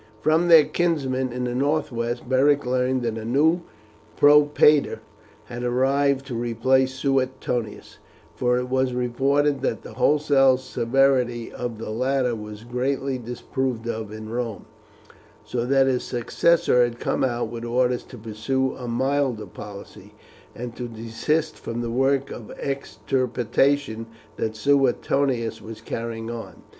From their kinsmen in the northwest, Beric learned that a new propraetor had arrived to replace Suetonius, for it was reported that the wholesale severity of the latter was greatly disapproved of in Rome, so that his successor had come out with orders to pursue a milder policy, and to desist from the work of extirpation that Suetonius was carrying on.